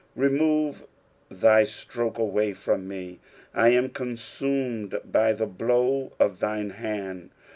10 Remove thy stroke away from me : I am consumed by the blow of thine hand.